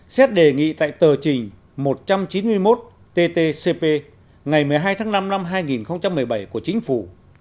xét đề nghị tại tờ trình một trăm chín mươi một ttcp ngày một mươi hai tháng năm năm hai nghìn một mươi bảy của chính phủ